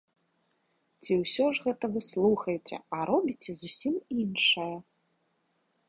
Ці ўсё ж гэта вы слухаеце, а робіце зусім іншае.